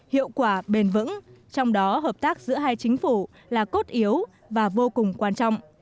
hiệu quả bền vững trong đó hợp tác giữa hai chính phủ là cốt yếu và vô cùng quan trọng